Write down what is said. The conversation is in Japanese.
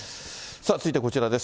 さあ、続いてこちらです。